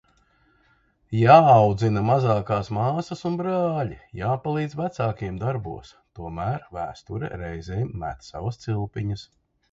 Jāaudzina mazākās māsas un brāļi. Jāpalīdz vecākiem darbos. Tomēr vēsture reizēm met savas cilpiņas.